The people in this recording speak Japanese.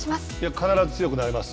必ず強くなれます。